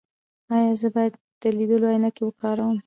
ایا زه باید د لیدلو عینکې وکاروم؟